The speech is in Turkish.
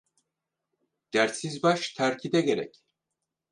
Dertsiz baş terkide gerek.